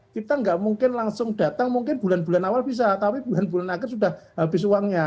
kita nggak mungkin langsung datang mungkin bulan bulan awal bisa tapi bulan bulan akhir sudah habis uangnya